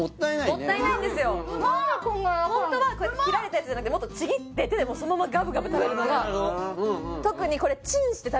ホントは切られたやつじゃなくてもっとちぎって手でそのままガブガブ食べるのが特にこれそうなの？